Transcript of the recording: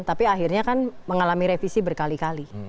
tapi akhirnya kan mengalami revisi berkali kali